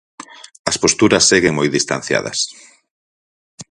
As posturas seguen moi distanciadas.